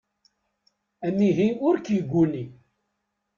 Amihi ur k-yegguni.